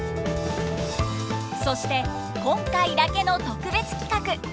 そして今回だけの特別企画！